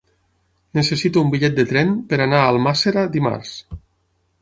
Necessito un bitllet de tren per anar a Almàssera dimarts.